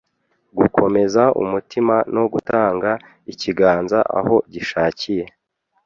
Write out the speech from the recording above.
gukomeza umutima no gutanga ikiganza aho gishakiye.